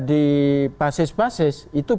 di basis basis itu